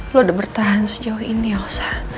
lo udah bertahan sejauh ini elsa